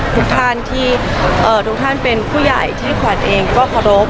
ทุกท่านที่ทุกท่านเป็นผู้ใหญ่ที่ขวัญเองก็เคารพ